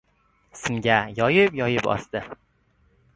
Simga yoyib-yoyib osdi.